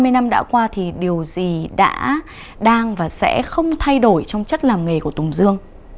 hai mươi năm đã qua thì điều gì đã đang và sẽ không thay đổi trong chất làm nghề của tùng dương